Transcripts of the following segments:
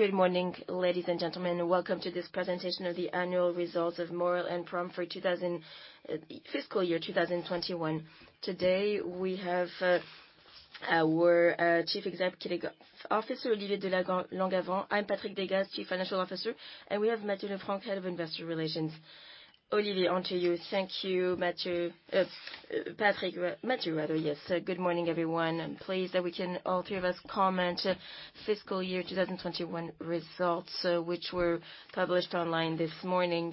Good morning, ladies and gentlemen. Welcome to this presentation of the annual results of Maurel & Prom for fiscal year 2021. Today, we have our Chief Executive Officer Olivier de Langavant. I'm Patrick Deygas, Chief Financial Officer, and we have Matthieu Lefrancq, Head of Investor Relations. Olivier, onto you. Thank you, Matthieu. Patrick, Matthieu rather, yes. Good morning, everyone. I'm pleased that we can, all three of us, comment fiscal year 2021 results, which were published online this morning.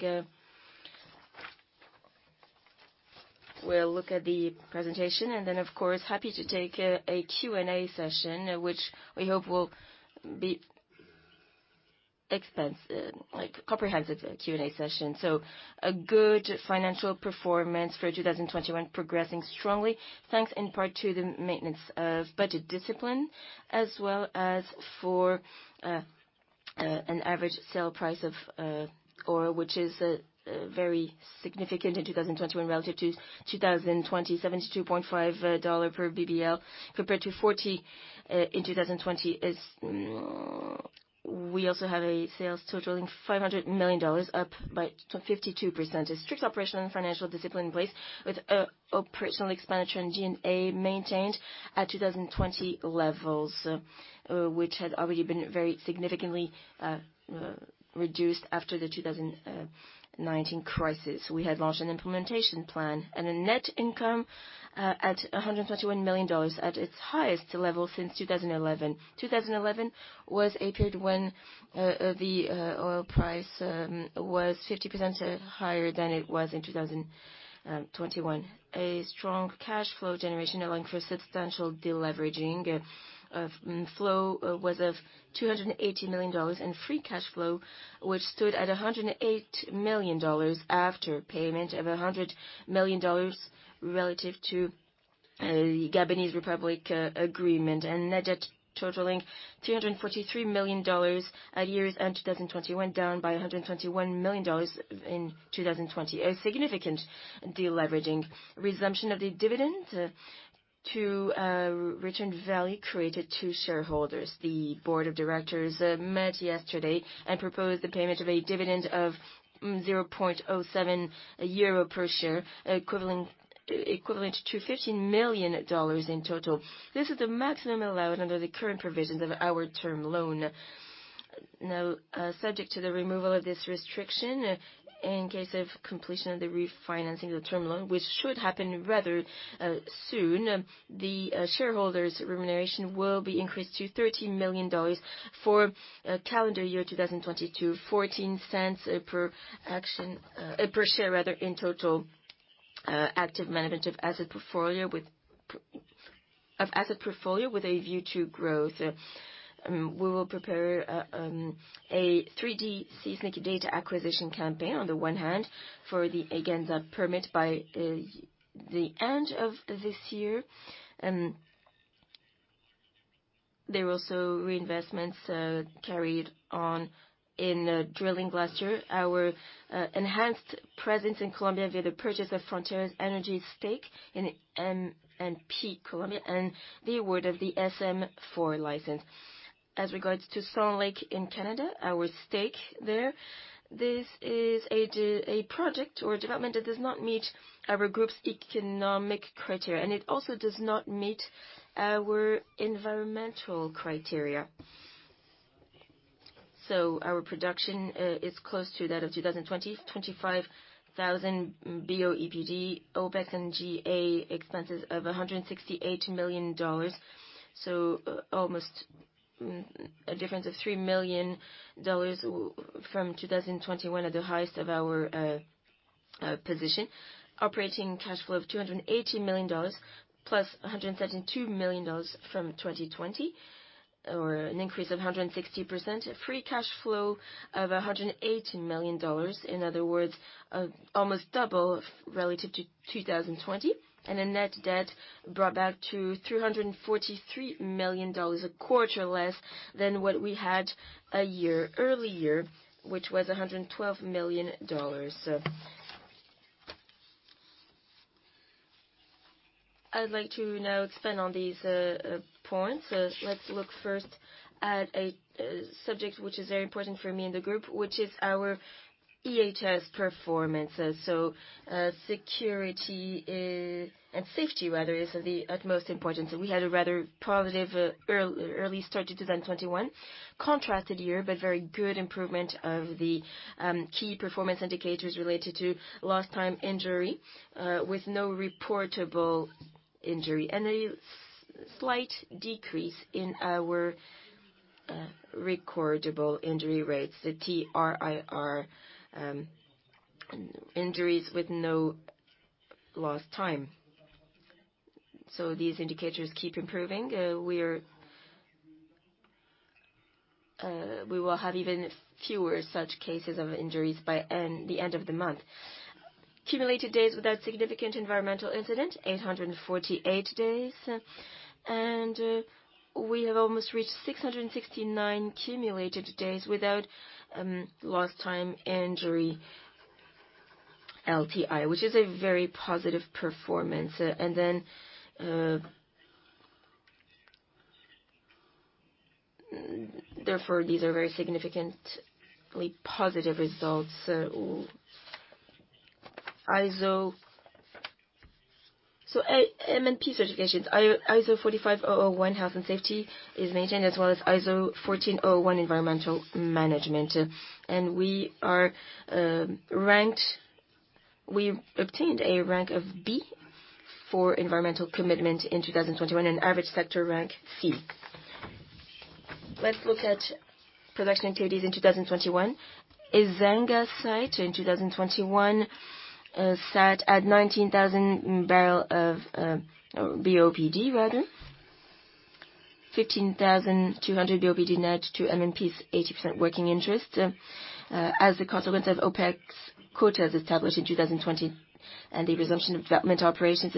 We'll look at the presentation and then, of course, happy to take a Q&A session, which we hope will be expansive, like comprehensive Q&A session. A good financial performance for 2021 progressing strongly, thanks in part to the maintenance of budget discipline as well as for an average sale price of oil, which is very significant in 2021 relative to 2020, $72.5/bbl compared to $40 in 2020. We also have sales totaling $500 million, up by some 52%. A strict operational and financial discipline in place with operational expenditure and G&A maintained at 2020 levels, which had already been very significantly reduced after the 2019 crisis. We had launched an implementation plan. A net income at $121 million, at its highest level since 2011. 2011 was a period when the oil price was 50% higher than it was in 2021. A strong cash flow generation allowing for substantial deleveraging, cash flow was $280 million, and free cash flow, which stood at $108 million after payment of $100 million relative to the Gabonese Republic agreement. Net debt totaling $343 million at year's end 2020 went down by $121 million in 2020. A significant deleveraging. Resumption of the dividend to return value created to shareholders. The board of directors met yesterday and proposed the payment of a dividend of 0.07 euro per share, equivalent to $15 million in total. This is the maximum allowed under the current provisions of our term loan. Now, subject to the removal of this restriction, in case of completion of the refinancing the term loan, which should happen rather soon, the shareholders' remuneration will be increased to $13 million for calendar year 2020 to $0.14 per share in total. Active management of asset portfolio with a view to growth. We will prepare a 3D seismic data acquisition campaign on the one hand for the Ezanga permit by the end of this year. There were also reinvestments carried on in drilling last year. Our enhanced presence in Colombia via the purchase of Frontera Energy stake in M&P Colombia and the award of the VSM-4 license. As regards to Sawn Lake in Canada, our stake there, this is a project or development that does not meet our group's economic criteria, and it also does not meet our environmental criteria. Our production is close to that of 2020, 25,000 BOEPD, OpEx and G&A expenses of $168 million, so almost a difference of $3 million from 2021 at the highest of our position. Operating cash flow of $280 million plus $132 million from 2020, or an increase of 160%. Free cash flow of $180 million, in other words, almost double relative to 2020. A net debt brought back to $343 million, a quarter less than what we had a year earlier, which was $112 million. I'd like to now expand on these points. Let's look first at a subject which is very important for me and the group, which is our EHS performance. Safety, rather, is of the utmost importance. We had a rather positive early start to 2021. In contrast to last year, but very good improvement of the key performance indicators related to lost time injury, with no reportable injury and a slight decrease in our recordable injury rates, the TRIR, injuries with no lost time. These indicators keep improving. We're... We will have even fewer such cases of injuries by the end of the month. Accumulated days without significant environmental incident, 848 days. We have almost reached 669 accumulated days without lost time injury LTI, which is a very positive performance. Therefore, these are very significantly positive results. M&P certifications. ISO 45001 health and safety is maintained, as well as ISO 14001 environmental management. We obtained a rank of B for environmental commitment in 2021, an average sector rank C. Let's look at production activities in 2021. Ezanga site in 2021 sat at 19,000 barrels of bopd rather. 15,200 bopd net to M&P's 80% working interest. As a consequence of OpEx quotas established in 2020, and the resumption of development operations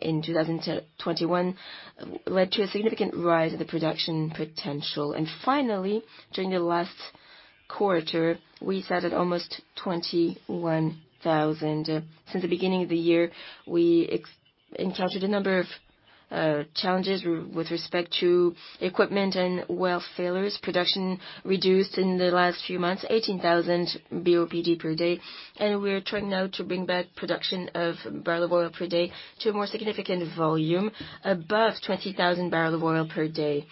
in 2021 led to a significant rise in the production potential. Finally, during the last quarter, we sat at almost 21,000. Since the beginning of the year, we encountered a number of challenges with respect to equipment and well failures. Production reduced in the last few months, 18,000 bopd per day, and we're trying now to bring back production of barrel of oil per day to a more significant volume above 20,000 barrel of oil per day.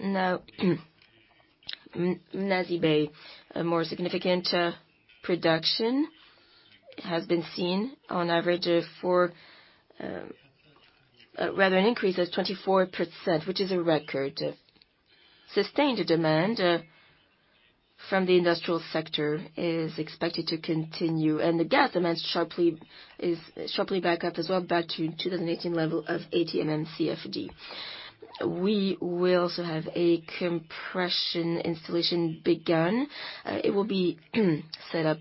Now, in Gabon, a more significant production has been seen rather an increase of 24%, which is a record. Sustained demand from the industrial sector is expected to continue, and the gas demand sharply back up as well, back to 2018 level of 80 mmcf/day. We will also have a compression installation begun. It will be set up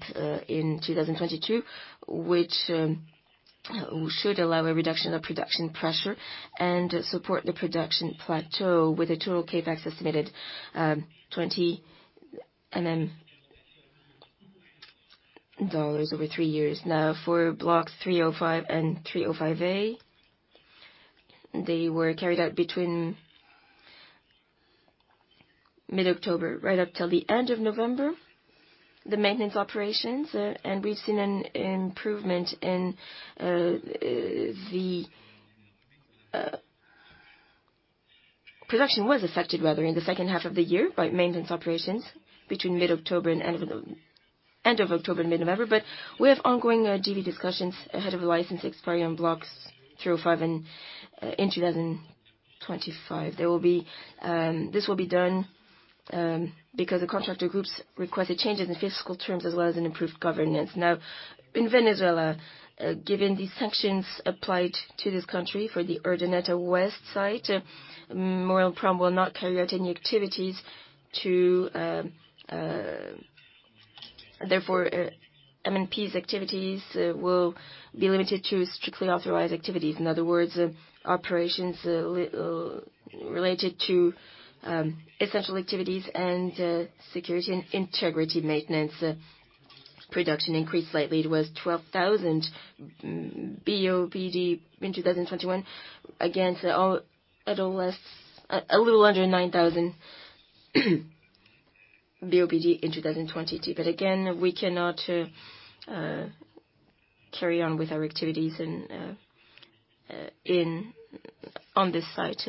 in 2022, which should allow a reduction of production pressure and support the production plateau with a total CapEx estimated $20 million over three years. Now, for blocks 305 and 305 A, they were carried out between mid-October right up till the end of November, the maintenance operations. We've seen an improvement. Production was affected, rather, in the second half of the year by maintenance operations between mid-October and end of October, mid-November. We have ongoing JV discussions ahead of the license expiry on blocks 305 in 2025. This will be done because the contractor groups requested changes in fiscal terms as well as an improved governance. Now, in Venezuela, given the sanctions applied to this country for the Urdaneta West site, Maurel & Prom will not carry out any activities. Therefore, M&P's activities will be limited to strictly authorized activities. In other words, operations related to essential activities and security and integrity maintenance. Production increased slightly. It was 12,000 bopd in 2021. All in all, a little under 9,000 bopd in 2022. Again, we cannot carry on with our activities in on this site.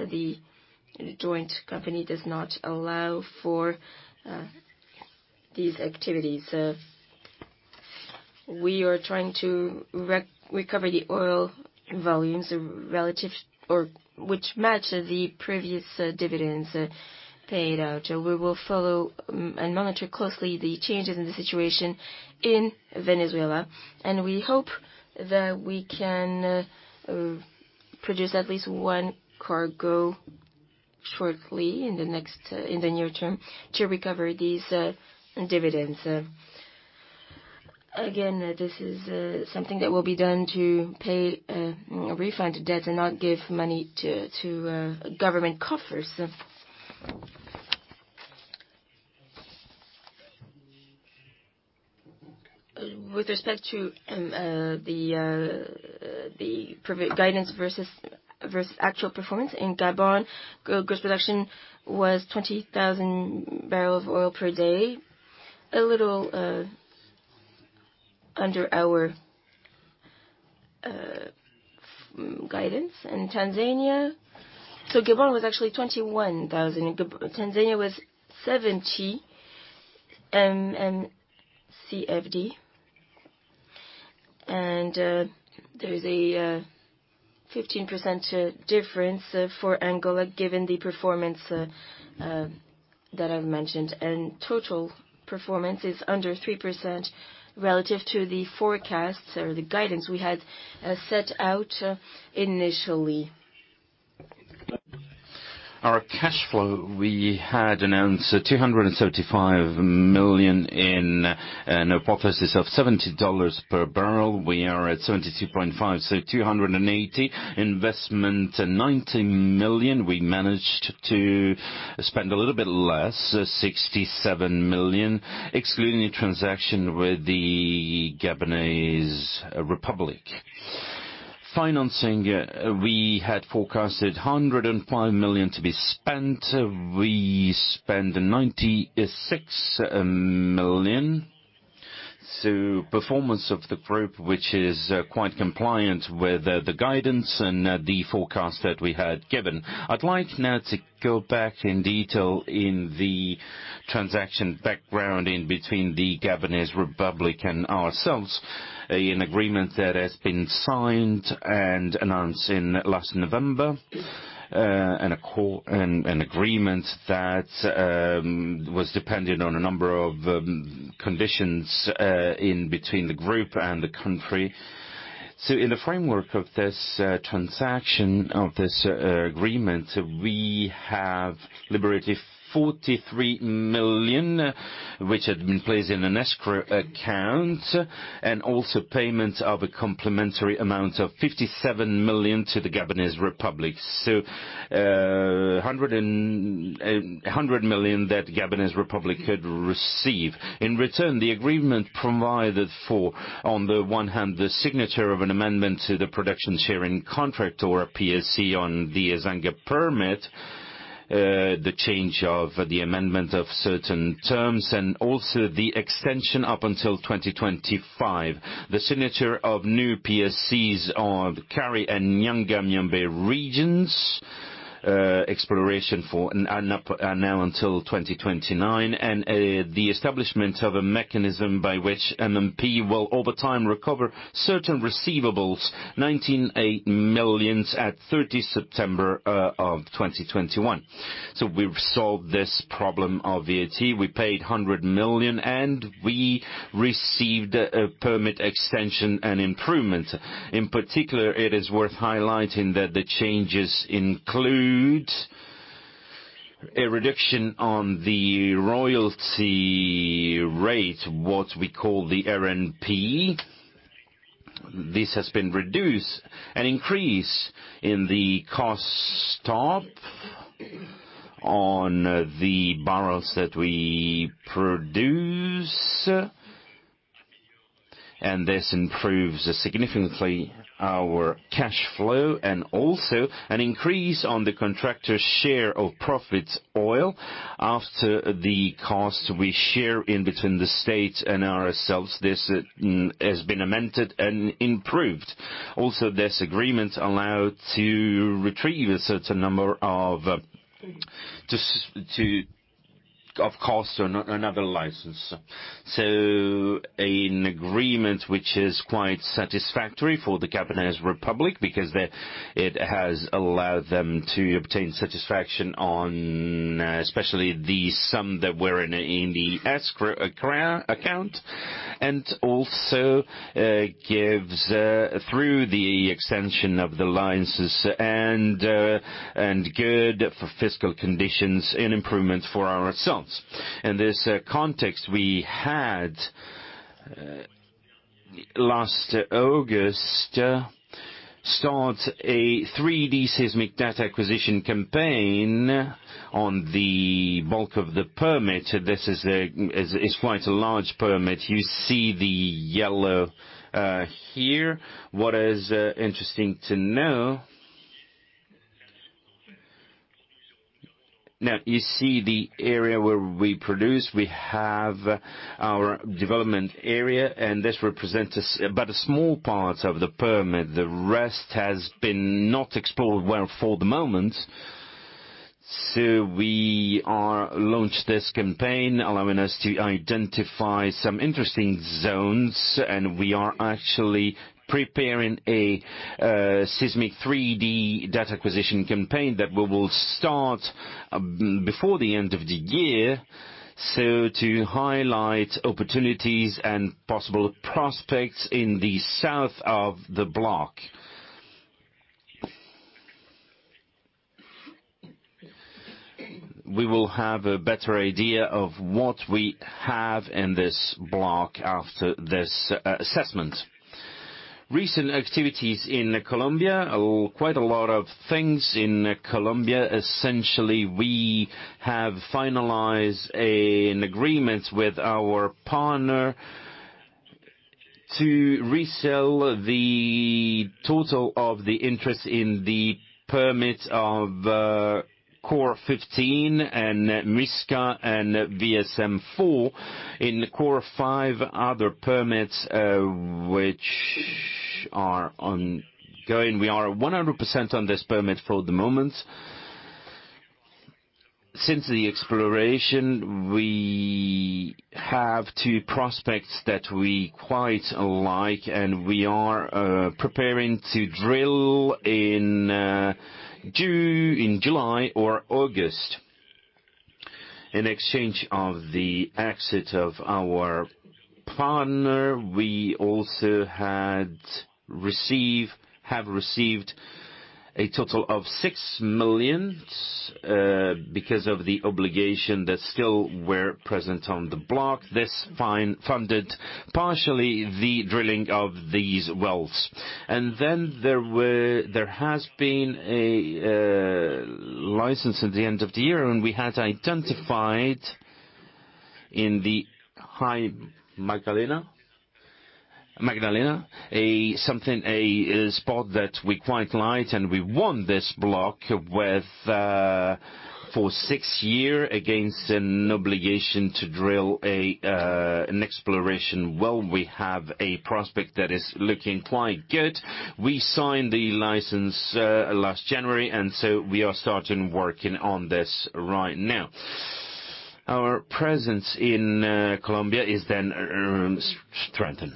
The joint company does not allow for these activities. We are trying to recover the oil volumes relative or which match the previous dividends paid out. We will follow and monitor closely the changes in the situation in Venezuela, and we hope that we can produce at least one cargo shortly in the near term to recover these dividends. Again, this is something that will be done to pay, you know, refund debt and not give money to government coffers. With respect to the guidance versus actual performance, in Gabon, oil gross production was 20,000 barrels of oil per day, a little under our guidance. In Tanzania. Gabon was actually 21,000. Tanzania was 70 mmcf/day. There is a 15% difference for Angola given the performance that I've mentioned. Total performance is under 3% relative to the forecasts or the guidance we had set out initially. Our cash flow, we had announced 275 million in a hypothesis of $70 per barrel. We are at $72.5, so 280. Investment 90 million, we managed to spend a little bit less, 67 million, excluding the transaction with the Gabonese Republic. Financing, we had forecasted 105 million to be spent. We spent 96 million. Performance of the group, which is quite compliant with the guidance and the forecast that we had given. I'd like now to go back in detail in the transaction background between the Gabonese Republic and ourselves. An agreement that has been signed and announced in last November, and an agreement that was dependent on a number of conditions between the group and the country. In the framework of this transaction agreement, we have liberated 43 million, which had been placed in an escrow account, and also payment of a complementary amount of 57 million to the Gabonese Republic. 100 million that Gabonese Republic had received. In return, the agreement provided for, on the one hand, the signature of an amendment to the production sharing contract, or a PSC, on the Ezanga permit. The amendment of certain terms and also the extension up until 2025. The signature of new PSCs of Kari and Nyanga, Mayombé regions, exploration up until 2029, and the establishment of a mechanism by which M&P will, over time, recover certain receivables, 198 million at 30 September 2021. We've solved this problem of VAT. We paid 100 million, and we received a permit extension and improvement. In particular, it is worth highlighting that the changes include a reduction on the royalty rate, what we call the RNP. This has been reduced. An increase in the cost stop on the barrels that we produce, and this improves significantly our cash flow, and also an increase on the contractor's share of profit oil. After the cost we share between the state and ourselves, this has been amended and improved. Also, this agreement allow to retrieve a certain number of of cost another license. An agreement which is quite satisfactory for the Gabonese Republic because it has allowed them to obtain satisfaction on, especially the sum that were in the, in the escrow account. It also gives through the extension of the licenses and good fiscal conditions and improvements for ourselves. In this context, we started last August a 3D seismic data acquisition campaign on the bulk of the permit. This is quite a large permit. You see the yellow here. What is interesting to know. Now, you see the area where we produce. We have our development area, and this represents but a small part of the permit. The rest has not been explored well for the moment. We launched this campaign, allowing us to identify some interesting zones, and we are actually preparing a seismic 3D data acquisition campaign that we will start before the end of the year, so to highlight opportunities and possible prospects in the south of the block. We will have a better idea of what we have in this block after this assessment. Recent activities in Colombia. Quite a lot of things in Colombia. Essentially, we have finalized an agreement with our partner to resell the total of the interest in the permit of COR-15 and Muisca and VSM-4. In COR-15, other permits which are ongoing. We are 100% on this permit for the moment. Since the exploration, we have two prospects that we quite like, and we are preparing to drill in June, in July or August. In exchange of the exit of our partner, we also have received a total of 6 million because of the obligation that still were present on the block. This fine funded partially the drilling of these wells. There has been a license at the end of the year and we had identified in the Higher Magdalena a spot that we quite like, and we won this block for six years against an obligation to drill an exploration well. We have a prospect that is looking quite good. We signed the license last January, and we are starting working on this right now. Our presence in Colombia is then strengthened.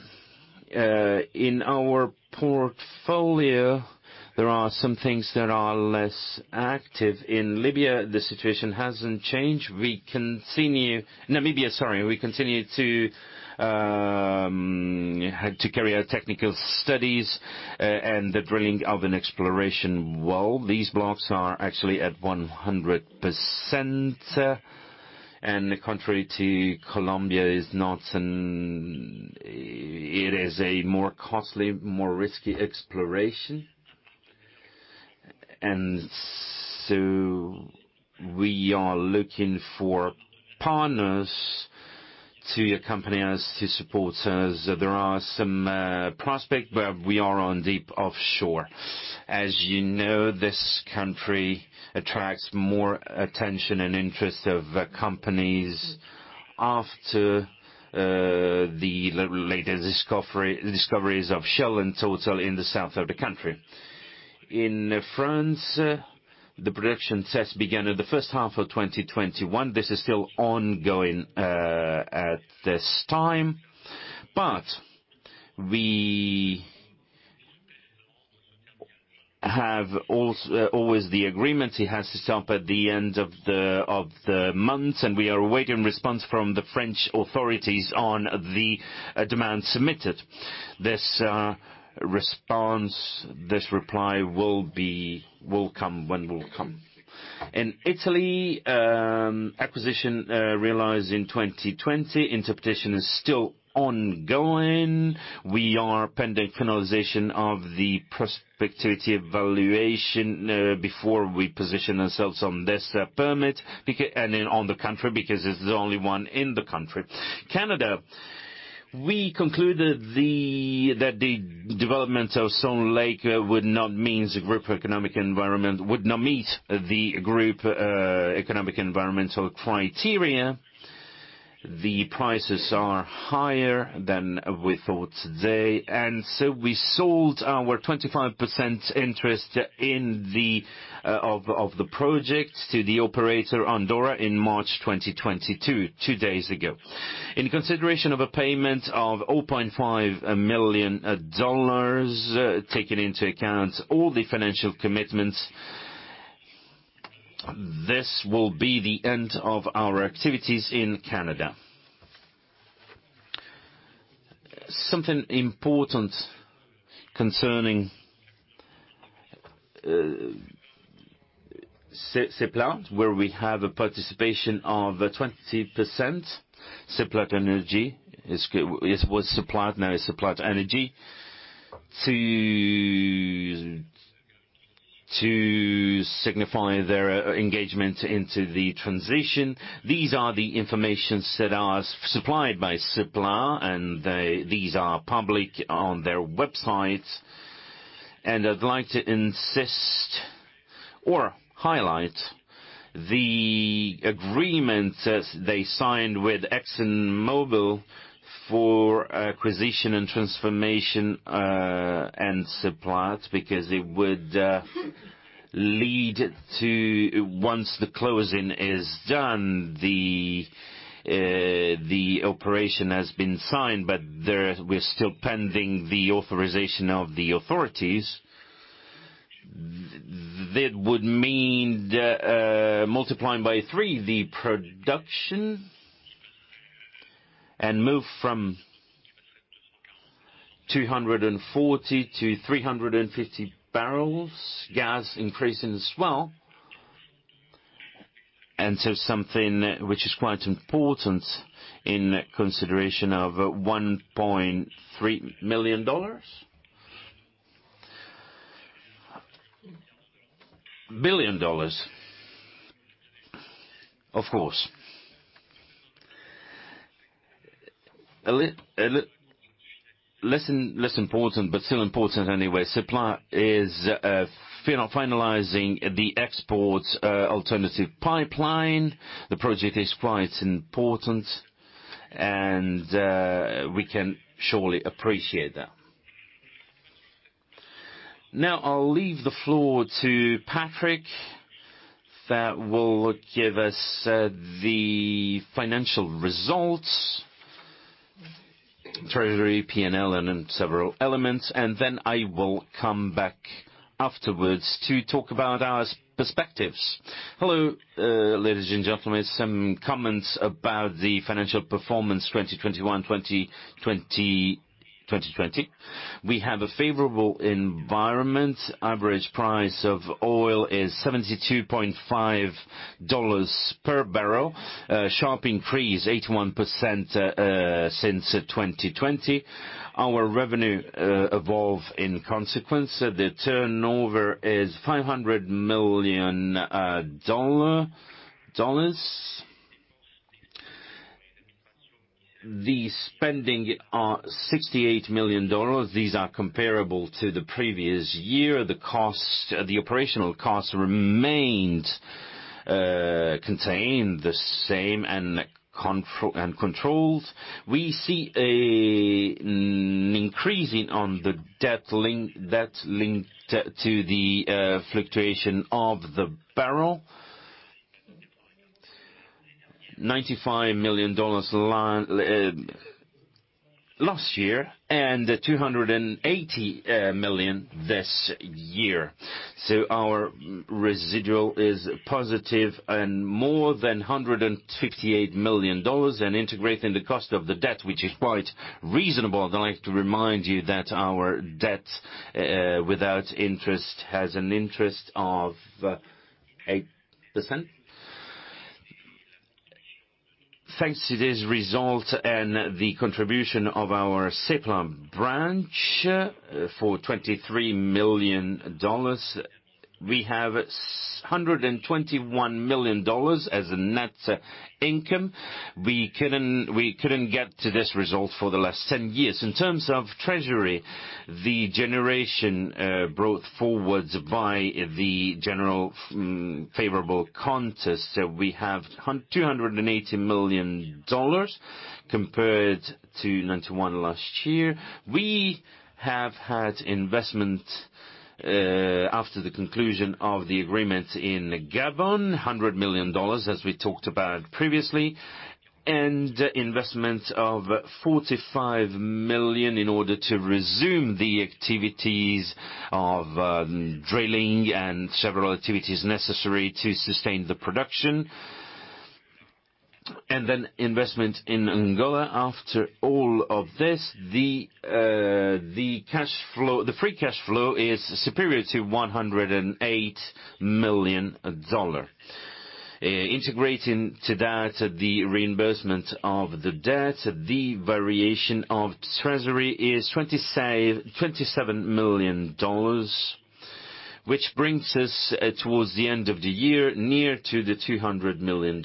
In our portfolio, there are some things that are less active. In Namibia, the situation hasn't changed. We continue to carry out technical studies and the drilling of an exploration well. These blocks are actually at 100%, and contrary to Colombia is not an... It is a more costly, more risky exploration. We are looking for partners to accompany us, to support us. There are some prospects, but we are on deep offshore. As you know, this country attracts more attention and interest of companies after the discoveries of Shell and total in the South of the country. In France, the production test began in the first half of 2021. This is still ongoing at this time, but we have always the agreement. It has to stop at the end of the month, and we are awaiting response from the French authorities on the demand submitted. This response, this reply will come when it comes. In Italy, acquisition realized in 2020. Interpretation is still ongoing. We are pending finalization of the prospectivity evaluation before we position ourselves on this permit and then on the country, because it's the only one in the country. Canada, we concluded that the development of Sawn Lake would not meet the group's economic and environmental criteria. The prices are higher than we thought they. We sold our 25% interest in the project to the operator, Andora, in March 2022, two days ago. In consideration of a payment of $0.5 million, taking into account all the financial commitments, this will be the end of our activities in Canada. Something important concerning Seplat, where we have a participation of 20%. Seplat Energy—it was Seplat, now it's Seplat Energy to signify their engagement into the transition. These are the information that are supplied by Seplat, and they... these are public on their website. I'd like to insist or highlight the agreement they signed with ExxonMobil for acquisition and transformation, and Seplat, because it would lead to, once the closing is done, the operation has been signed, but there we're still pending the authorization of the authorities. That would mean multiplying by three the production and move from 240 to 350 barrels, gas increasing as well. Something which is quite important in consideration of $1.3 billion, of course. A little less important, but still important anyway, Seplat is finalizing the export alternative pipeline. The project is quite important, and we can surely appreciate that. Now I'll leave the floor to Patrick, that will give us the financial results, treasury, P&L and several elements, and then I will come back afterwards to talk about our perspectives. Hello, ladies and gentlemen. Some comments about the financial performance 2021, 2020. We have a favorable environment. Average price of oil is $72.5 per barrel. Sharp increase, 81%, since 2020. Our revenue evolve in consequence. The turnover is $500 million. The spending are $68 million. These are comparable to the previous year. The operational costs remained contained the same and controlled. We see an increasing on the debt linked to the fluctuation of the barrel. $95 million last year and $280 million this year. Our residual is positive and more than $158 million and integrating the cost of the debt, which is quite reasonable. I'd like to remind you that our debt without interest has an interest of 8%. Thanks to this result and the contribution of our Seplat branch for $23 million, we have $121 million as a net income. We couldn't get to this result for the last 10 years. In terms of treasury, the generation brought forward by the generally favorable context. We have $280 million compared to $91 million last year. We have had investment after the conclusion of the agreement in Gabon, $100 million, as we talked about previously, and investment of $45 million in order to resume the activities of drilling and several activities necessary to sustain the production. Then investment in Angola. After all of this, the cash flow. The free cash flow is superior to $108 million. Integrating to that, the reimbursement of the debt, the variation of treasury is $27 million, which brings us towards the end of the year, near to $200 million.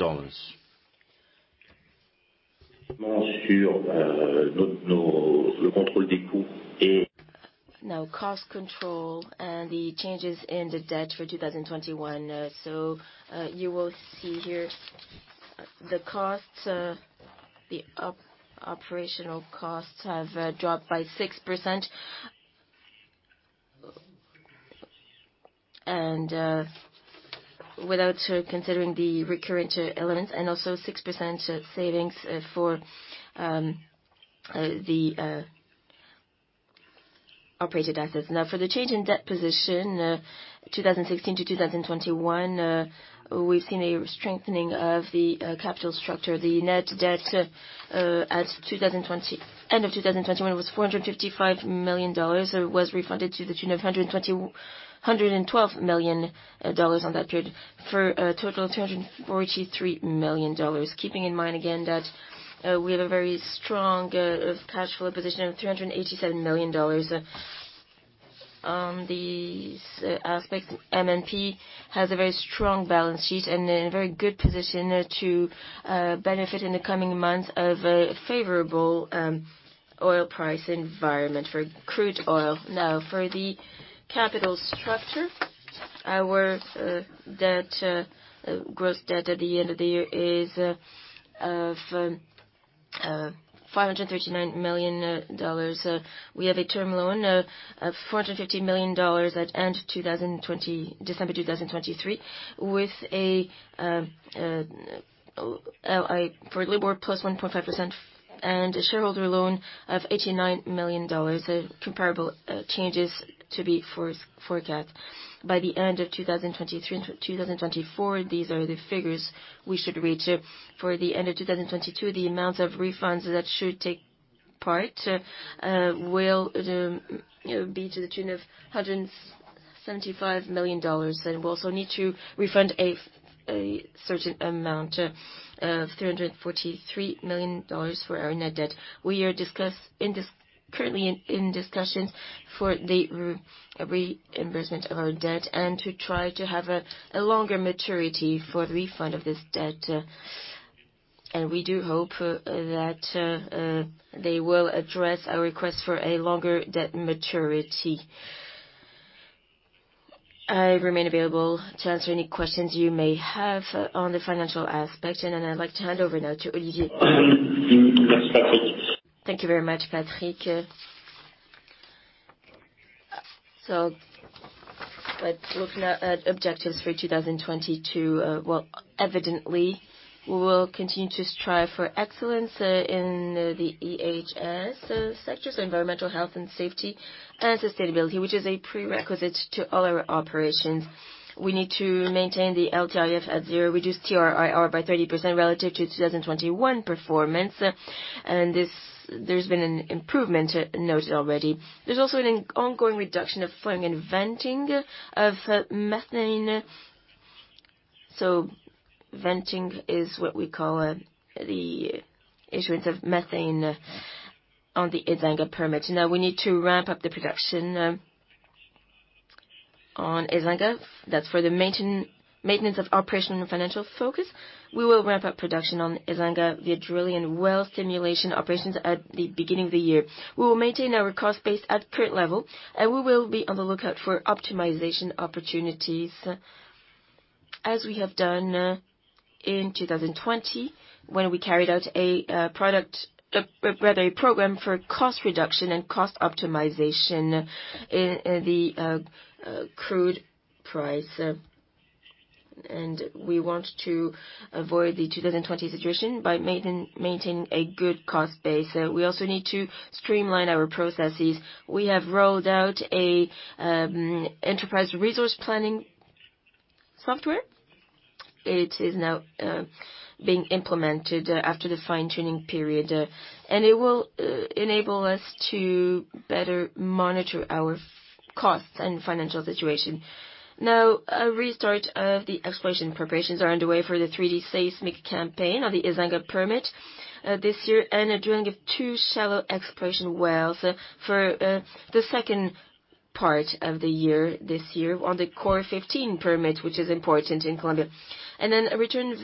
Now cost control and the changes in the debt for 2021. You will see here the costs, the operational costs have dropped by 6%. Without considering the recurring elements and also 6% savings for the operated assets. Now, for the change in debt position, 2016-2021, we've seen a strengthening of the capital structure. The net debt at end of 2021 was $455 million. It was refunded to the tune of $112 million on that period for a total of $243 million. Keeping in mind again that we have a very strong cash flow position of $387 million. On these aspects, M&P has a very strong balance sheet and in a very good position to benefit in the coming months of a favorable oil price environment for crude oil. Now, for the capital structure, our gross debt at the end of the year is $539 million. We have a term loan of $450 million at the end of December 2023, with Libor + 1.5% and a shareholder loan of $89 million, comparable changes to be forecast. By the end of 2023 and 2024, these are the figures we should reach. For the end of 2022, the amount of refunds that should take place will be to the tune of $175 million. We also need to refund a certain amount of $343 million for our net debt. We are currently in discussions for the reimbursement of our debt and to try to have a longer maturity for the refund of this debt. We do hope that they will address our request for a longer debt maturity. I remain available to answer any questions you may have on the financial aspect. Then I'd like to hand over now to Olivier. Thank you very much, Patrick. Let's look now at objectives for 2022. Well, evidently, we will continue to strive for excellence in the EHS sectors, environmental, health and safety and sustainability, which is a prerequisite to all our operations. We need to maintain the LTIF at zero, reduce TRIR by 30% relative to 2021 performance. This, there's been an improvement noted already. There's also an ongoing reduction of flaring and venting of methane. Venting is what we call the issuance of methane on the Ezanga permit. Now we need to ramp up the production on Ezanga, that's for the maintenance of operational and financial focus. We will ramp up production on Ezanga, the drilling well stimulation operations at the beginning of the year. We will maintain our cost base at current level, and we will be on the lookout for optimization opportunities, as we have done in 2020 when we carried out a program for cost reduction and cost optimization in the crude price. We want to avoid the 2020 situation by maintaining a good cost base. We also need to streamline our processes. We have rolled out a enterprise resource planning software. It is now being implemented after the fine-tuning period. It will enable us to better monitor our costs and financial situation. Now, a restart of the exploration preparations are underway for the 3D seismic campaign on the Ezanga permit this year, and drilling of two shallow exploration wells for the second part of the year this year on the COR-15 permit, which is important in Colombia. Return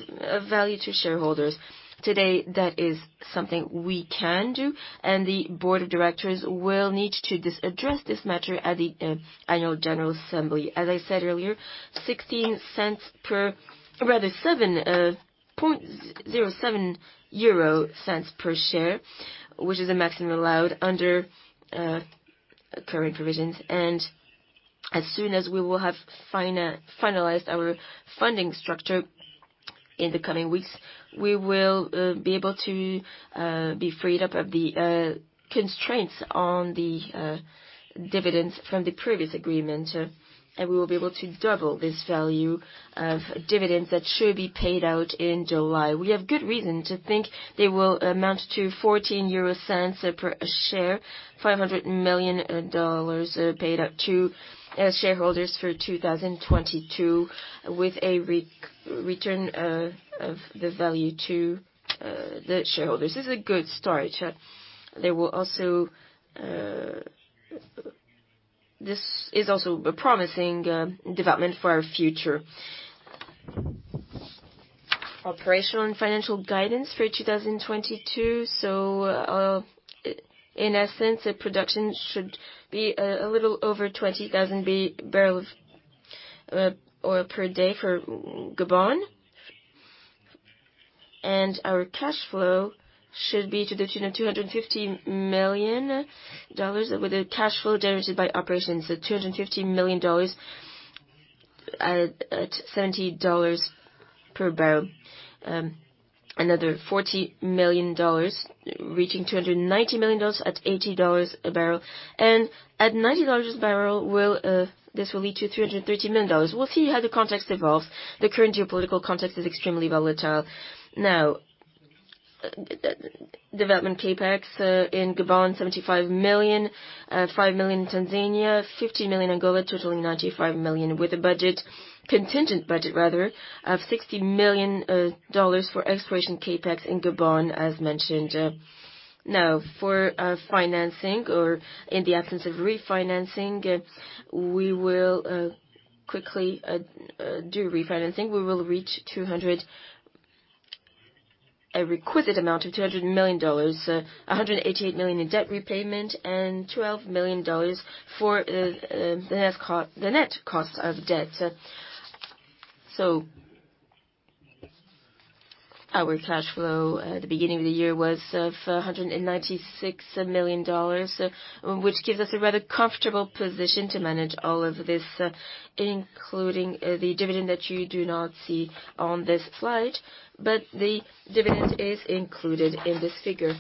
value to shareholders today, that is something we can do, and the board of directors will need to address this matter at the annual general assembly. As I said earlier, 0.16 per share, which is the maximum allowed under current provisions. As soon as we will have finalized our funding structure in the coming weeks, we will be able to be freed up of the constraints on the dividends from the previous agreement. We will be able to double this value of dividends that should be paid out in July. We have good reason to think they will amount to 0.14 per share, $500 million paid out to shareholders for 2022, with a return of the value to the shareholders. This is a good start. This is also a promising development for our future. Operational and financial guidance for 2022. In essence, the production should be a little over 20,000 barrels of oil per day for Gabon. Our cash flow should be to the tune of $250 million with the cash flow generated by operations at $250 million at $70 per barrel. Another $40 million, reaching $290 million at $80 a barrel. At $90 a barrel, we'll this will lead to $330 million. We'll see how the context evolves. The current geopolitical context is extremely volatile. Now, development CapEx in Gabon, $75 million, $5 million in Tanzania, $50 million Angola, totaling $95 million, with a contingent budget rather of $60 million dollars for exploration CapEx in Gabon, as mentioned. Now, for financing or in the absence of refinancing, we will quickly do refinancing. We will reach 200. A requisite amount of $200 million dollars, $188 million in debt repayment, and $12 million dollars for the net cost of debt. Our cash flow at the beginning of the year was $196 million, which gives us a rather comfortable position to manage all of this, including the dividend that you do not see on this slide, but the dividend is included in this figure.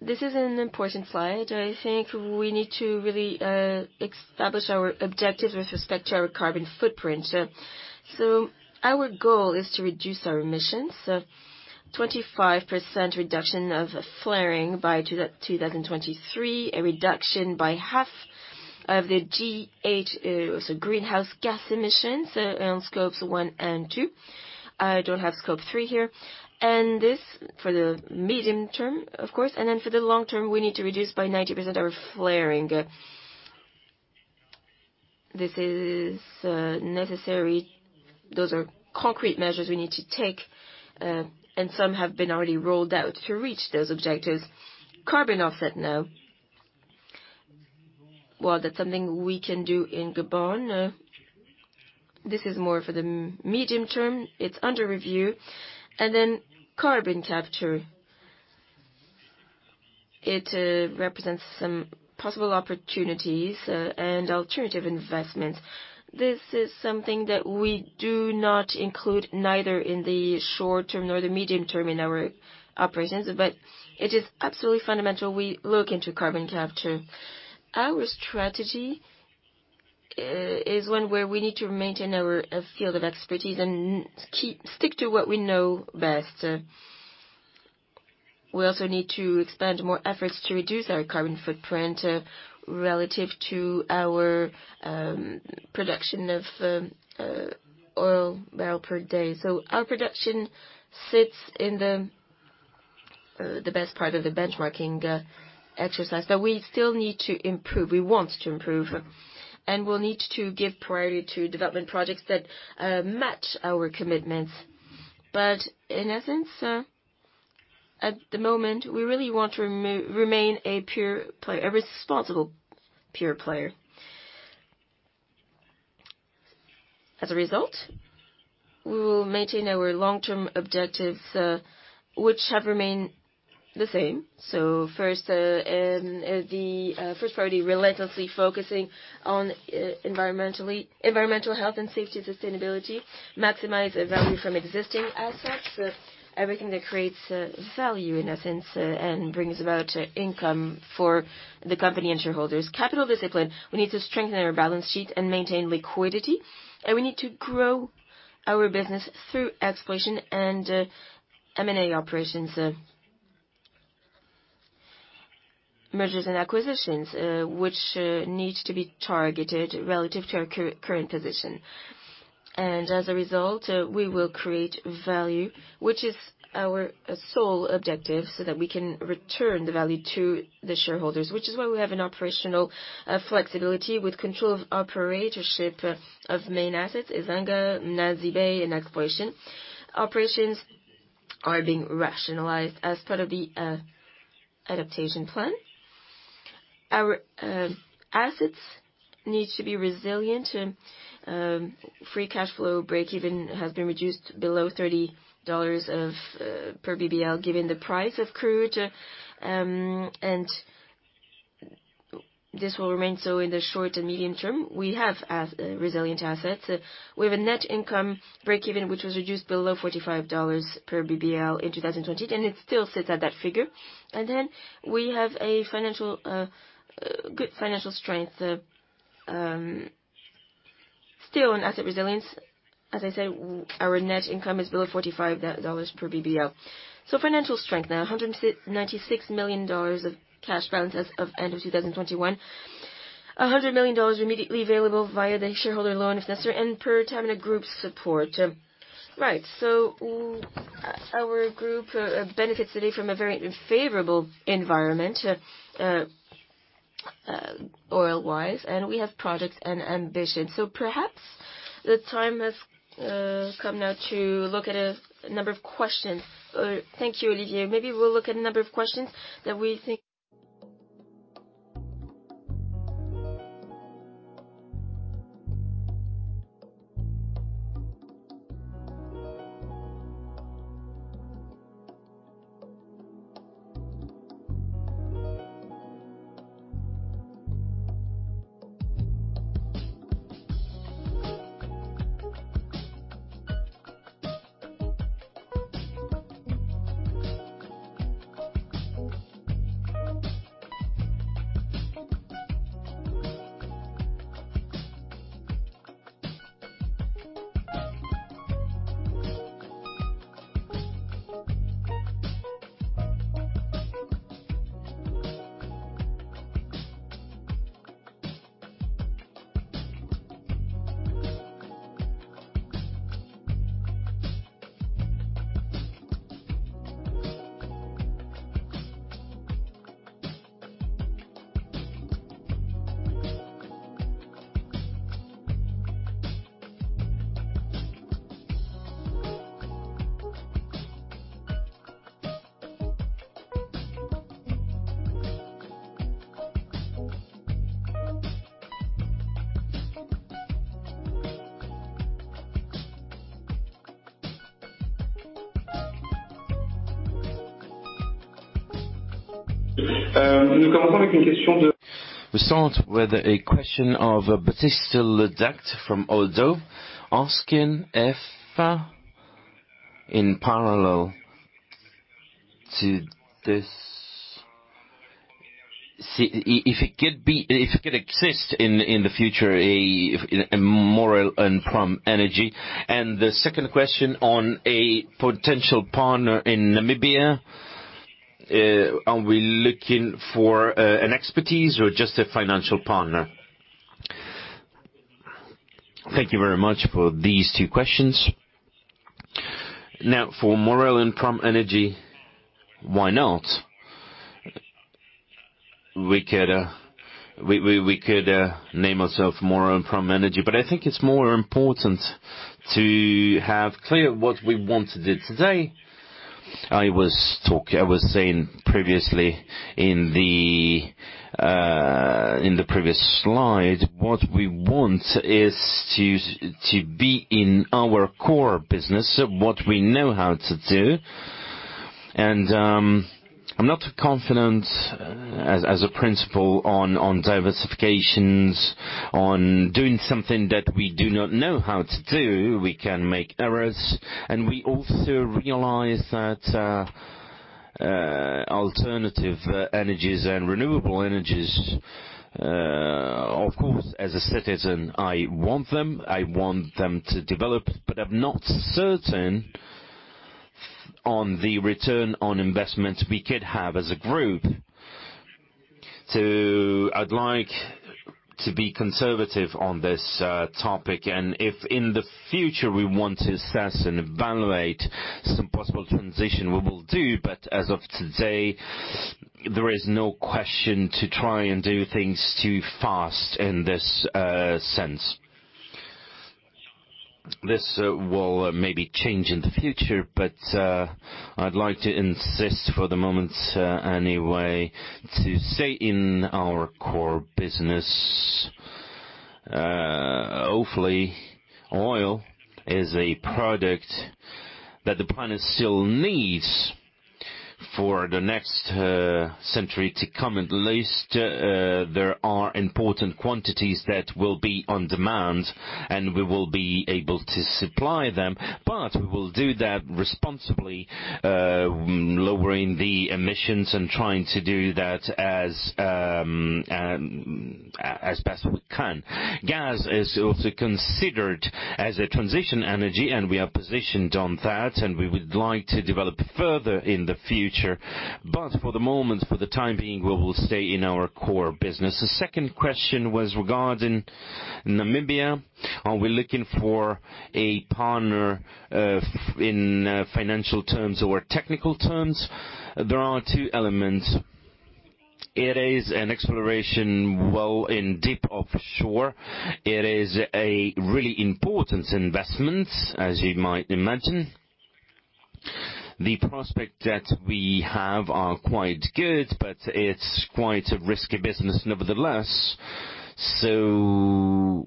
This is an important slide. I think we need to really establish our objectives with respect to our carbon footprint. Our goal is to reduce our emissions, 25% reduction of flaring by 2023, a reduction by half of the GHG emissions on Scopes 1 and 2. I don't have Scope 3 here. This for the medium term, of course, and then for the long term, we need to reduce by 90% our flaring. This is necessary. Those are concrete measures we need to take, and some have been already rolled out to reach those objectives. Carbon offset now. Well, that's something we can do in Gabon. This is more for the medium term. It's under review. Carbon capture. It represents some possible opportunities and alternative investments. This is something that we do not include neither in the short term nor the medium term in our operations, but it is absolutely fundamental we look into carbon capture. Our strategy is one where we need to maintain our field of expertise and stick to what we know best. We also need to expand more efforts to reduce our carbon footprint relative to our production of oil barrel per day. Our production sits in the best part of the benchmarking exercise that we still need to improve. We want to improve, and we'll need to give priority to development projects that match our commitments. In essence, at the moment, we really want to remain a pure player, a responsible pure player. As a result, we will maintain our long-term objectives, which have remained the same. First priority relentlessly focusing on environmental health and safety, sustainability, maximize the value from existing assets. Everything that creates value in essence and brings about income for the company and shareholders. Capital discipline, we need to strengthen our balance sheet and maintain liquidity, and we need to grow our business through exploration and M&A operations. Mergers and acquisitions, which need to be targeted relative to our current position. As a result, we will create value, which is our sole objective, so that we can return the value to the shareholders. Which is why we have an operational flexibility with control of operatorship of main assets, Ezanga, Mnazi Bay, and exploration. Operations are being rationalized as part of the adaptation plan. Our assets need to be resilient. Free cash flow break-even has been reduced below $30/bbl, given the price of crude. This will remain so in the short and medium term. We have resilient assets. We have a net income break-even, which was reduced below $45/bbl in 2020, and it still sits at that figure. We have a financial, good financial strength, still on asset resilience. As I said, our net income is below $45/bbl. Financial strength now, $96 million of cash balance as of end of 2021. $100 million immediately available via the shareholder loan if necessary, and per Pertamina Group support. Right. Our group benefits today from a very favorable environment, oil-wise, and we have projects and ambition. Perhaps the time has come now to look at a number of questions. Thank you, Olivier. Maybe we'll look at a number of questions that we think... We start with a question from Baptiste Lebacq from Oddo BHF, asking if, in parallel to this, it could exist in the future a merger with Frontera Energy. The second question on a potential partner in Namibia, are we looking for an expertise or just a financial partner? Thank you very much for these two questions. Now, for Maurel & Prom Energy, why not? We could name ourselves Maurel & Prom Energy, but I think it's more important to have clear what we want to do today. I was saying previously in the previous slide, what we want is to be in our core business, what we know how to do. I'm not confident as a principle on diversifications, on doing something that we do not know how to do. We can make errors, and we also realize that alternative energies and renewable energies, of course, as a citizen, I want them to develop, but I'm not certain on the return on investment we could have as a group. I'd like to be conservative on this topic. If in the future we want to assess and evaluate some possible transition, we will do. As of today, there is no question to try and do things too fast in this sense. This will maybe change in the future. I'd like to insist for the moment, anyway, to stay in our core business. Hopefully oil is a product that the planet still needs for the next century to come. At least there are important quantities that will be on demand, and we will be able to supply them. We will do that responsibly, lowering the emissions and trying to do that as best we can. Gas is also considered as a transition energy, and we are positioned on that, and we would like to develop further in the future. For the moment, for the time being, we will stay in our core business. The second question was regarding Namibia. Are we looking for a partner in financial terms or technical terms? There are two elements. It is an exploration well in deep offshore. It is a really important investment, as you might imagine. The prospect that we have are quite good, but it's quite a risky business nevertheless. The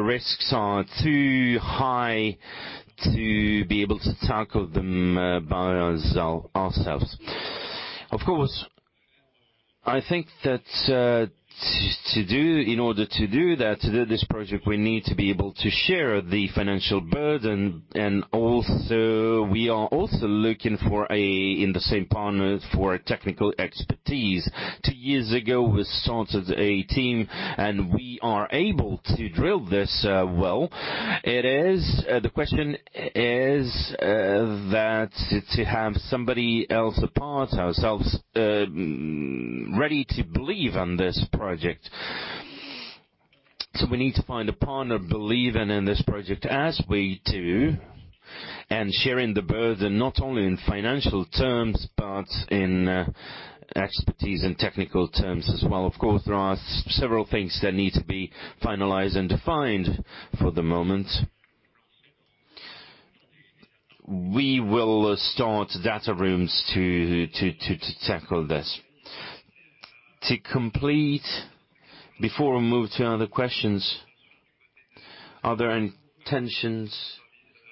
risks are too high to be able to tackle them by ourselves. Of course, I think that in order to do that, to do this project, we need to be able to share the financial burden. We are also looking for a partner for technical expertise. Two years ago, we started a team, and we are able to drill this well. It is the question is that to have somebody else apart from ourselves ready to believe in this project. We need to find a partner believing in this project as we do, and sharing the burden, not only in financial terms, but in expertise and technical terms as well. Of course, there are several things that need to be finalized and defined for the moment. We will start data rooms to tackle this. To complete, before we move to other questions, are there any tensions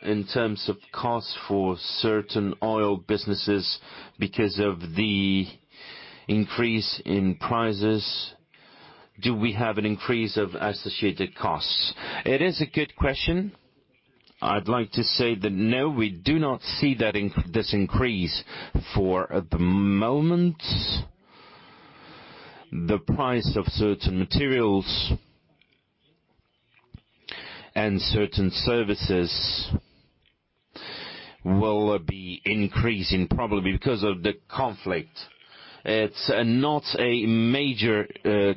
in terms of costs for certain oil businesses because of the increase in prices? Do we have an increase of associated costs? It is a good question. I'd like to say that no, we do not see that this increase for the moment. The price of certain materials and certain services will be increasing probably because of the conflict. It's not a major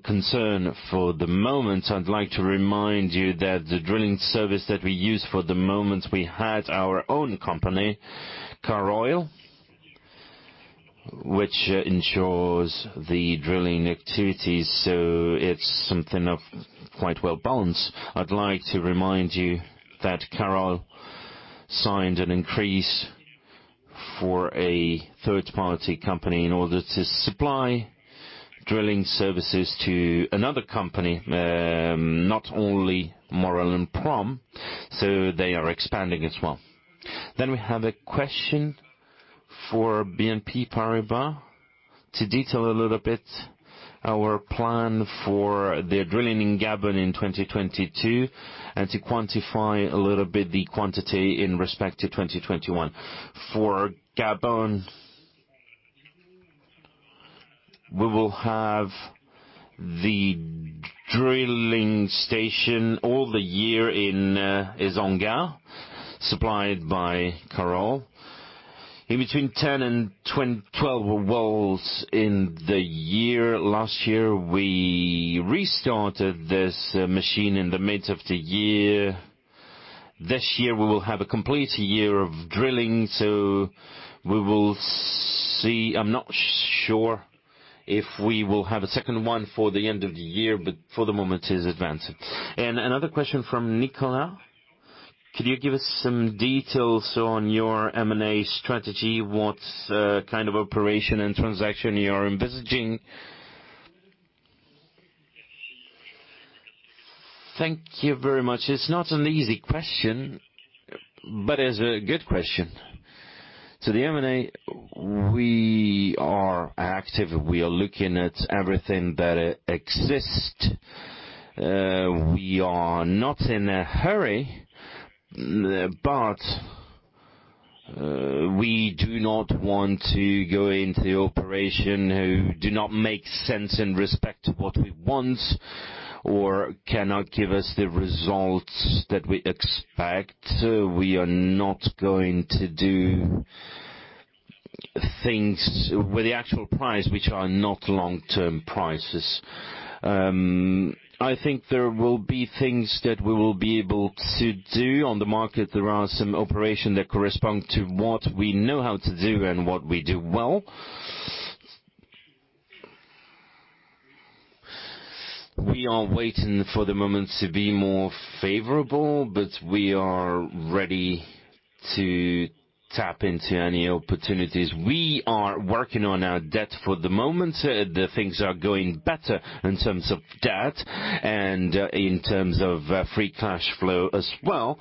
concern for the moment. I'd like to remind you that the drilling service that we use for the moment, we have our own company, Caroil, which ensures the drilling activities, so it's something of quite well balanced. I'd like to remind you that Caroil signed a contract with a third-party company in order to supply drilling services to another company, not only Maurel & Prom, so they are expanding as well. We have a question for BNP Paribas. To detail a little bit our plan for the drilling in Gabon in 2022, and to quantify a little bit the quantity in respect to 2021. For Gabon, we will have the drilling station all year in Ezanga, supplied by Caroil. In between 10 and 12 wells in the year, last year, we restarted this machine in the mid of the year. This year, we will have a complete year of drilling, so we will see. I'm not sure if we will have a second one for the end of the year, but for the moment is advancing. Another question from Nicolas Daher. Could you give us some details on your M&A strategy? What kind of operation and transaction you are envisaging? Thank you very much. It's not an easy question, but it's a good question. The M&A, we are active. We are looking at everything that exists. We are not in a hurry, but we do not want to go into operations which do not make sense in respect to what we want or cannot give us the results that we expect. We are not going to do things with the actual price, which are not long-term prices. I think there will be things that we will be able to do on the market. There are some operations that correspond to what we know how to do and what we do well. We are waiting for the moment to be more favorable, but we are ready to tap into any opportunities. We are working on our debt for the moment. The things are going better in terms of debt and in terms of free cash flow as well.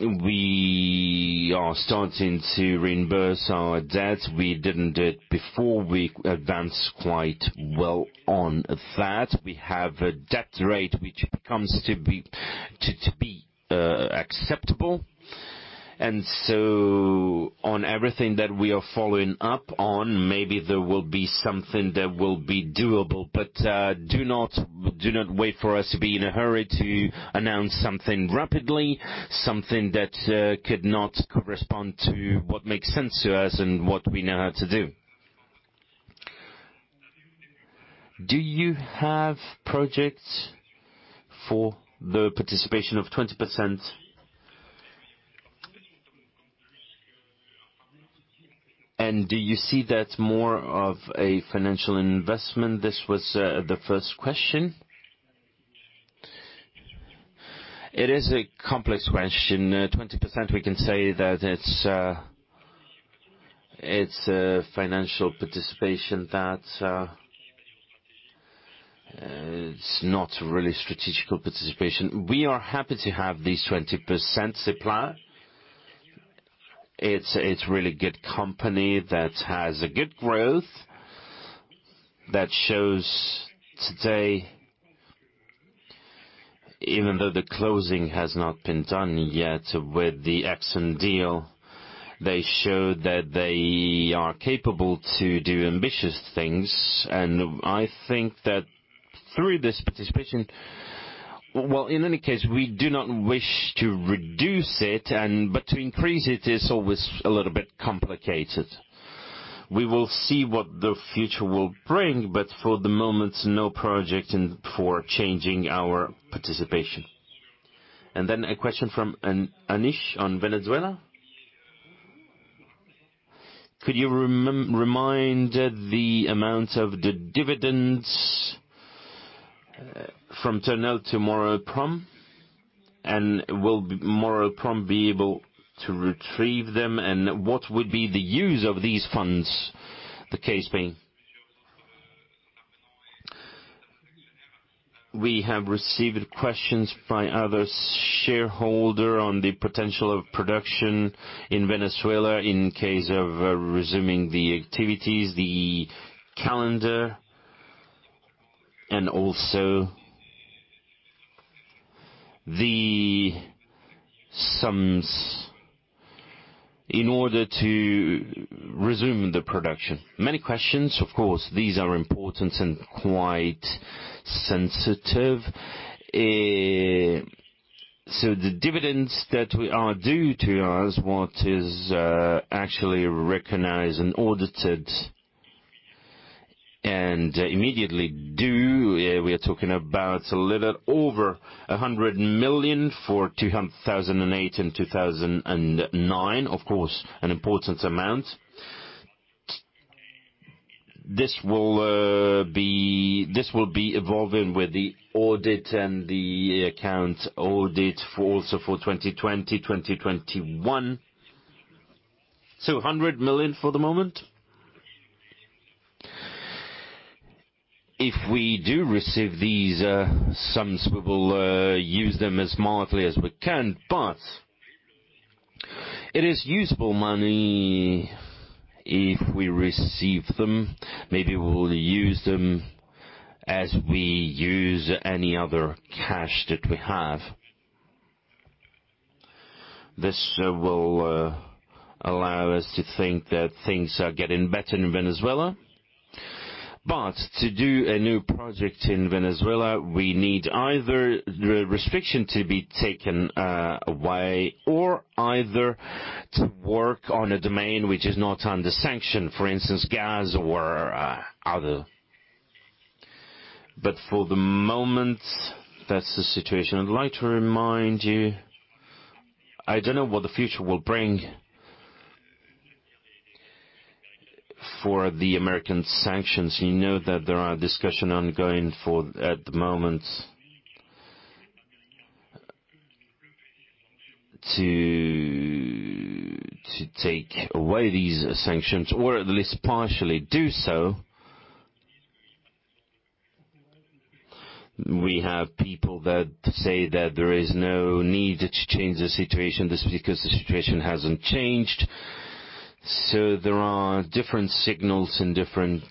We are starting to reimburse our debt. We didn't do it before. We advanced quite well on that. We have a debt ratio which becomes acceptable. On everything that we are following up on, maybe there will be something that will be doable. Do not wait for us to be in a hurry to announce something rapidly, something that could not correspond to what makes sense to us and what we know how to do. Do you have projects for the participation of 20%? Do you see that more of a financial investment? This was the first question. It is a complex question. 20%, we can say that it's a financial participation that it's not really strategic participation. We are happy to have these 20% supplier. It's a really good company that has a good growth. That shows today, even though the closing has not been done yet with the Exxon deal, they show that they are capable to do ambitious things. I think that through this participation. Well, in any case, we do not wish to reduce it, but to increase it is always a little bit complicated. We will see what the future will bring, but for the moment, no project in for changing our participation. Then a question from Anish Kapadia on Venezuela. Could you remind the amount of the dividends from Turnel to Maurel & Prom? And will Maurel & Prom be able to retrieve them? And what would be the use of these funds, the case being? We have received questions by other shareholder on the potential of production in Venezuela in case of resuming the activities, the calendar, and also the sums in order to resume the production. Many questions, of course, these are important and quite sensitive. The dividends that we are due to us, what is actually recognized and audited and immediately due, we are talking about a little over 100 million for 2008 and 2009. Of course, an important amount. This will be evolving with the audit and the accounts audit for 2020 and 2021. EUR 100 million for the moment. If we do receive these sums, we will use them as smartly as we can, but it is usable money if we receive them. Maybe we'll use them as we use any other cash that we have. This will allow us to think that things are getting better in Venezuela. To do a new project in Venezuela, we need either the restriction to be taken away or either to work on a domain which is not under sanction, for instance, gas or other. For the moment, that's the situation. I'd like to remind you, I don't know what the future will bring for the American sanctions. You know that there are discussions ongoing at the moment to take away these sanctions or at least partially do so. We have people that say that there is no need to change the situation just because the situation hasn't changed. There are different signals in different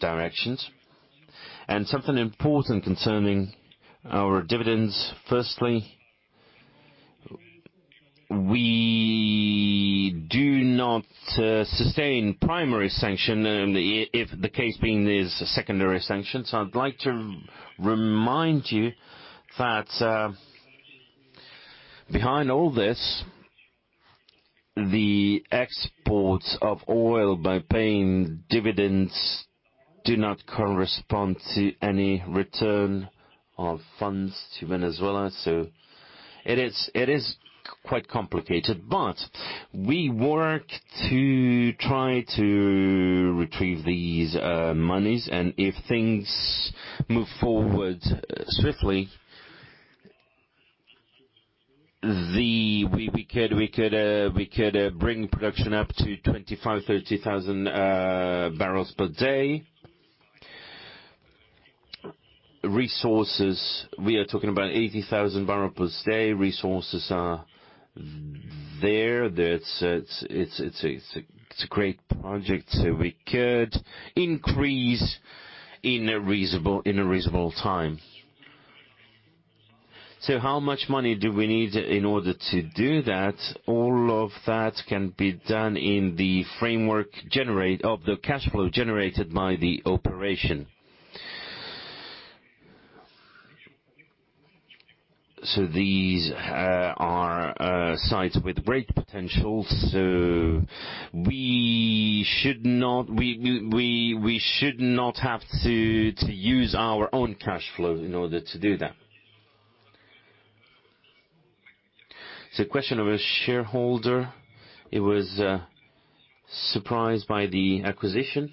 directions. Something important concerning our dividends. Firstly, we do not sustain primary sanction in the event if the case being is a secondary sanction. I'd like to remind you that behind all this, the exports of oil by paying dividends do not correspond to any return of funds to Venezuela. It is quite complicated, but we work to try to retrieve these monies. If things move forward swiftly, we could bring production up to 25,000-30,000 barrels per day. Resources, we are talking about 80,000 barrels per day. Resources are there. That's a great project, so we could increase in a reasonable time. How much money do we need in order to do that? All of that can be done in the framework of the cash flow generated by the operation. These are sites with great potential, so we should not. We should not have to use our own cash flow in order to do that. It's a question of a shareholder. He was surprised by the acquisition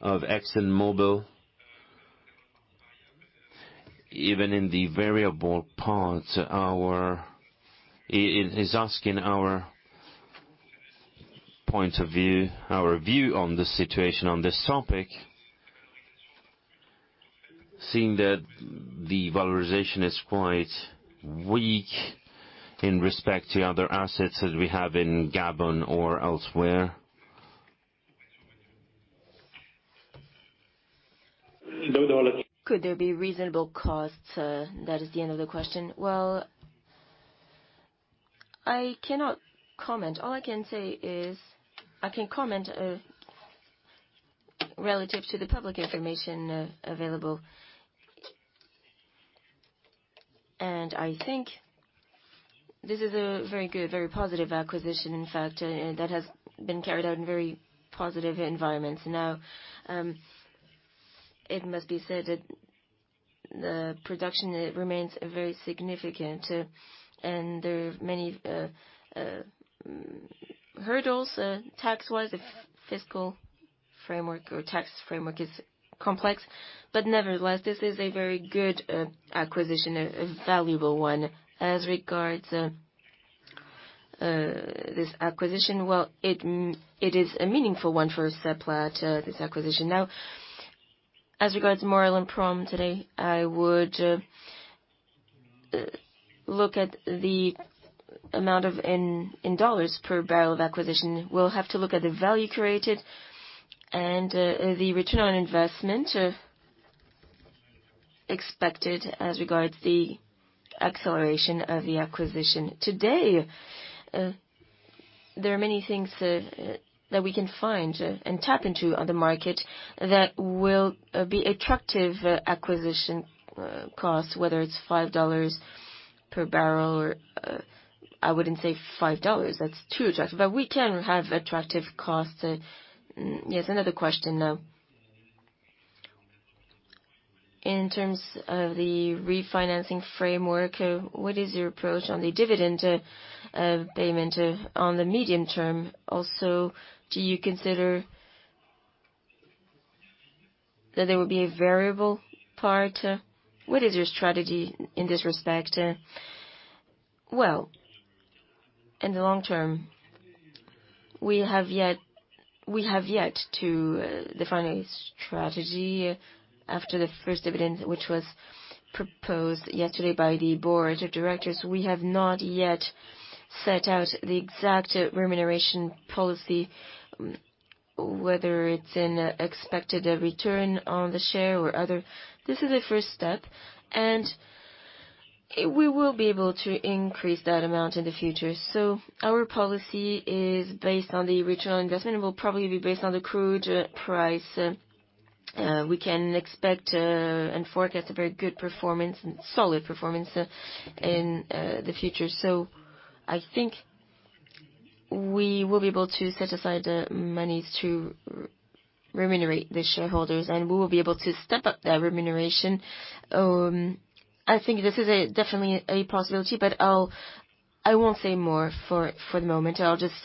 of ExxonMobil. Even in the variable part, he is asking our point of view, our view on this situation, on this topic, seeing that the valuation is quite weak in respect to other assets that we have in Gabon or elsewhere. Could there be reasonable costs? That is the end of the question. Well, I cannot comment. All I can say is I can comment relative to the public information available. I think this is a very good, very positive acquisition, in fact, that has been carried out in very positive environments. Now, it must be said that the production remains very significant, and there are many hurdles tax-wise. The fiscal framework or tax framework is complex. Nevertheless, this is a very good acquisition, a valuable one. As regards this acquisition, well, it is a meaningful one for Seplat, this acquisition. Now, as regards Maurel & Prom today, I would look at the amount in dollars per barrel of acquisition. We'll have to look at the value created and the return on investment expected as regards the acceleration of the acquisition. Today, there are many things that we can find and tap into on the market that will be attractive acquisition costs, whether it's $5 per barrel or I wouldn't say $5, that's too attractive, but we can have attractive costs. Yes, another question now. In terms of the refinancing framework, what is your approach on the dividend payment on the medium term? Also, do you consider that there will be a variable part? What is your strategy in this respect? Well, in the long term, we have yet to define a strategy after the first dividend, which was proposed yesterday by the board of directors. We have not yet set out the exact remuneration policy, whether it's in expected return on the share or other. This is a first step, and we will be able to increase that amount in the future. Our policy is based on the return on investment. It will probably be based on the crude price. We can expect and forecast a very good performance and solid performance in the future. I think we will be able to set aside monies to remunerate the shareholders, and we will be able to step up the remuneration. I think this is definitely a possibility, but I won't say more for the moment. I'll just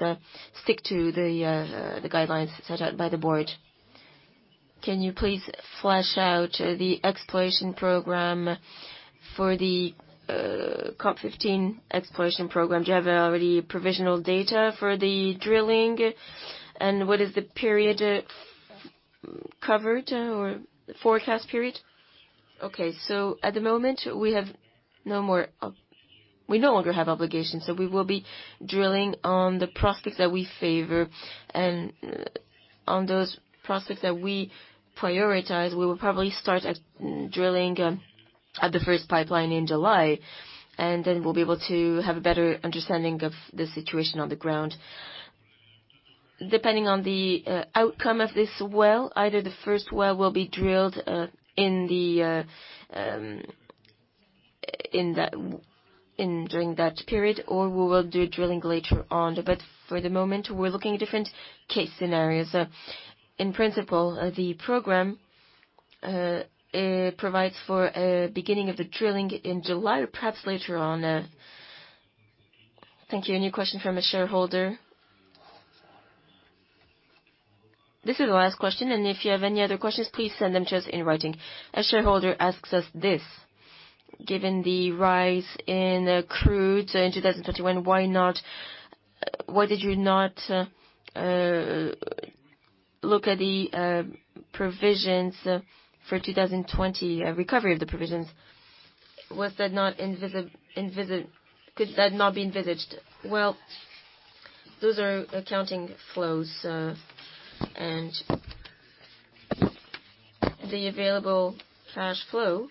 stick to the guidelines set out by the board. Can you please flesh out the exploration program for the COR-15 exploration program? Do you have already provisional data for the drilling? What is the period covered or forecast period? Okay. At the moment, we have no more—we no longer have obligations, so we will be drilling on the prospects that we favor. On those prospects that we prioritize, we will probably start drilling at the first well in July, and then we'll be able to have a better understanding of the situation on the ground. Depending on the outcome of this well, either the first well will be drilled during that period, or we will do drilling later on. For the moment, we're looking at different case scenarios. In principle, the program provides for a beginning of the drilling in July or perhaps later on. Thank you. A new question from a shareholder. This is the last question, and if you have any other questions, please send them to us in writing. A shareholder asks us this: given the rise in crude in 2021, why did you not look at the provisions for 2020, recovery of the provisions? Could that not be envisaged? Well, those are accounting flows, and the available cash flow,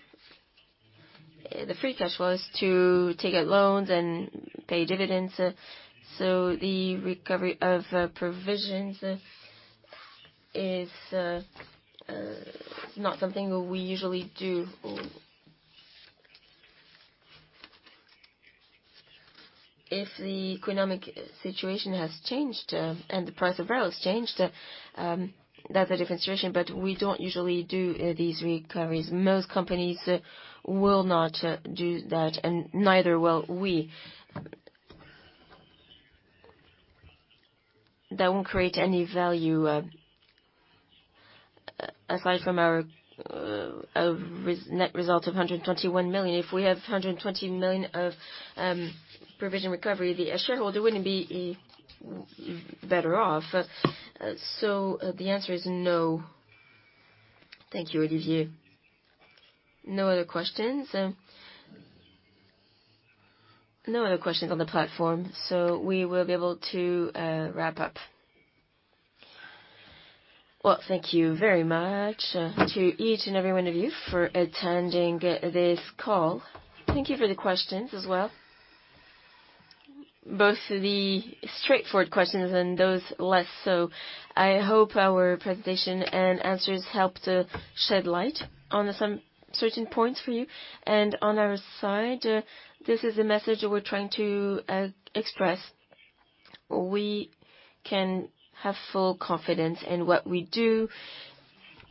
the free cash flow, is to take out loans and pay dividends. The recovery of provisions is not something we usually do. If the economic situation has changed, and the price of oil has changed, that's a different situation, but we don't usually do these recoveries. Most companies will not do that, and neither will we. That won't create any value, aside from our net result of 121 million. If we have 120 million of provision recovery, the shareholder wouldn't be better off. The answer is no. Thank you, Olivier. No other questions? No other questions on the platform, so we will be able to wrap up. Well, thank you very much to each and every one of you for attending this call. Thank you for the questions as well, both the straightforward questions and those less so. I hope our presentation and answers helped shed light on some certain points for you. On our side, this is a message we're trying to express. We can have full confidence in what we do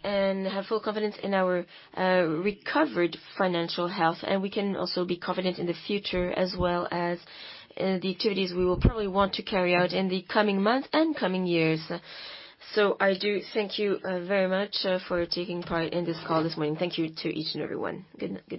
and have full confidence in our recovered financial health, and we can also be confident in the future as well as the activities we will probably want to carry out in the coming months and coming years. I do thank you very much for taking part in this call this morning. Thank you to each and everyone. Good night.